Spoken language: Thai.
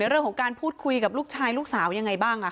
เรื่องของการพูดคุยกับลูกชายลูกสาวยังไงบ้าง